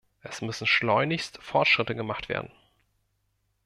Es müssen schleunigst Fortschritte gemacht werden.